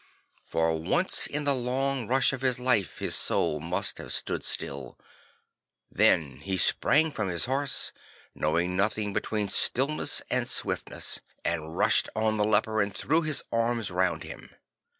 For once in the long rush of his life his soul must have stood still. Then he sprang from his horse, knowing nothing between stillness and swiftness, and rushed on the leper and threw his arms round him.